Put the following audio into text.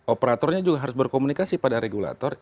operatornya juga harus berkomunikasi pada regulator